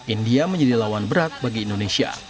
india menjadi lawan berat bagi indonesia